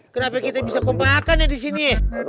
kenapa kita bisa overload an ya disini